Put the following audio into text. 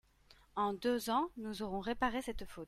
En deux ans, nous aurons réparé cette faute.